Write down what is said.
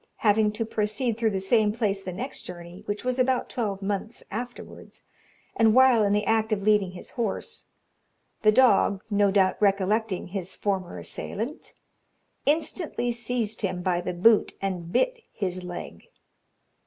Having to proceed through the same place the next journey, which was about twelve months afterwards, and while in the act of leading his horse, the dog, no doubt recollecting his former assailant, instantly seized him by the boot, and bit his leg.